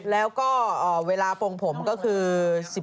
แล้วก็เวลาโปรงผมก็คือ